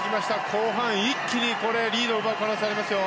後半一気にリードを奪う可能性がありますよ。